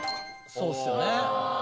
そうっすよね。